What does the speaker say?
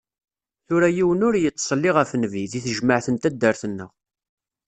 Tura yiwen ur "yettṣelli ɣef Nnbi" deg tejmaɛt n taddart-nneɣ.